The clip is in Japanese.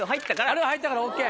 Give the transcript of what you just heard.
あれは入ったからＯＫ。